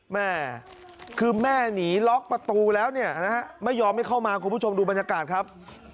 แม่คือแม่หนีล็อกประตูแล้วเนี่ยนะฮะไม่ยอมให้เข้ามาคุณผู้ชมดูบรรยากาศครับ